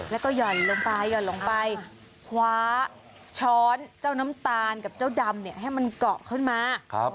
แล้วก็ห่อนลงไปหย่อนลงไปคว้าช้อนเจ้าน้ำตาลกับเจ้าดำเนี่ยให้มันเกาะขึ้นมา